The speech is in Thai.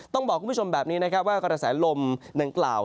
ต้องบอกคุณผู้ชมแบบนี้นะครับว่ากระแสลมดังกล่าว